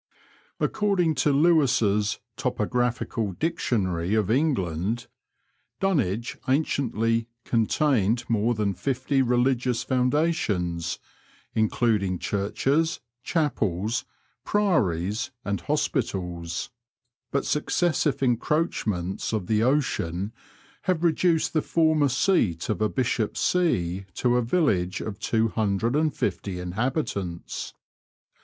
According to Lewis' Topographical Dictionary of England," Dunwich anciently contained more than fifty religious foundations, including churches, chapels, priories, and hospitals," but successive encroachments of the ocean have reduced the former seat of a bishop's see to a village of two hundred and fifty inhabitants.